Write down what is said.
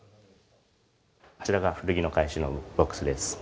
こちらが古着の回収のボックスです。